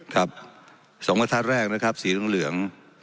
ครับสองกระทัดแรกนะครับสีเหลือง